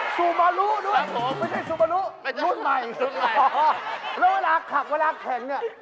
สูบมาลูด้วยไม่ใช่สูบมาลูรุ่นใหม่โอ้โหแล้วเวลาขับเวลาแข่งนี่